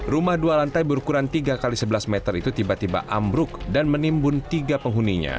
rumah dua lantai berukuran tiga x sebelas meter itu tiba tiba ambruk dan menimbun tiga penghuninya